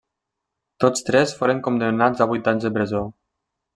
Tots tres foren condemnats a vuit anys de presó.